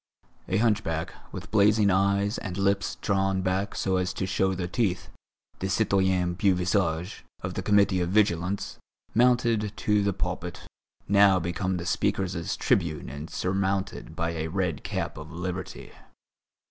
A hunchback, with blazing eyes and lips drawn back so as to show the teeth, the citoyen Beauvisage, of the Committee of Vigilance, mounted to the pulpit, now become the speakers' tribune and surmounted by a red cap of liberty.